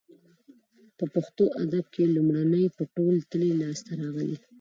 په پښتو ادب کې لومړنۍ په تول تللې لاسته راغلې